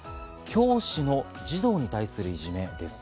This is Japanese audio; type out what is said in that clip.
教師の児童に対するいじめです。